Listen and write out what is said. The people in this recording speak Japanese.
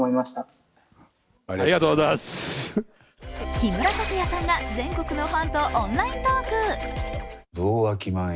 木村拓哉さんが全国のファンとオンライントーク。